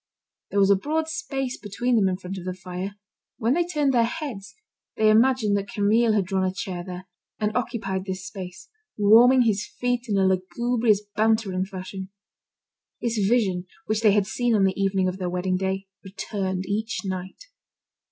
There was a broad space between them in front of the fire. When they turned their heads, they imagined that Camille had drawn a chair there, and occupied this space, warming his feet in a lugubrious, bantering fashion. This vision, which they had seen on the evening of the wedding day, returned each night.